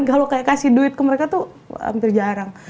kalau kayak kasih duit ke mereka tuh hampir jarang